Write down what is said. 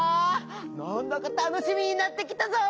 なんだかたのしみになってきたぞ！